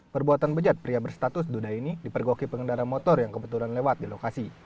perbuatan bejat pria berstatus duda ini dipergoki pengendara motor yang kebetulan lewat di lokasi